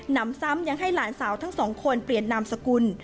นำซ้ำยังให้หลานสาวทั้งสองคนเปลี่ยนนามสกุล